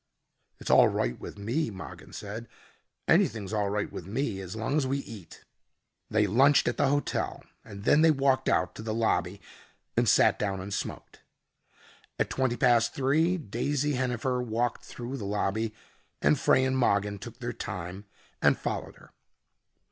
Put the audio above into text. "It's all right with me," Mogin said: "Anything's all right with me as long as we eat." They lunched at the hotel and then they walked out to the lobby and sat down and smoked. At twenty past three, Daisy Hennifer walked through the lobby and Frey and Mogin took their time and followed her.